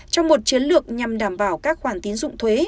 trong một chiến lược nhằm đảm bảo các khoản tiến dụng thuế